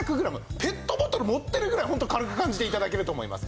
ペットボトル持ってるぐらいホント軽く感じて頂けると思います。